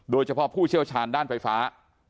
โดยเฉพาะผู้เชี่ยวชาญด้านไฟฟ้า